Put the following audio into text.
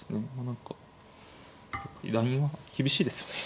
何かラインは厳しいですよね。